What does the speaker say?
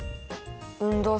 運動する。